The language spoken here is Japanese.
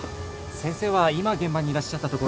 先生は今現場にいらっしゃったところで。